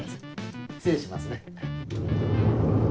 失礼しますね。